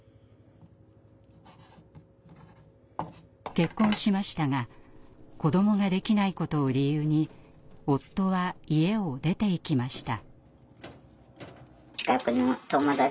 結婚しましたが子どもができないことを理由に夫は家を出ていきました。